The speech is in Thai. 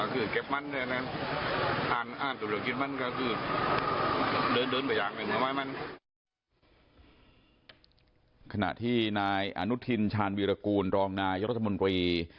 ขณะที่นายอนุทินชาญวีรกูลรองนายรัฐมนตรี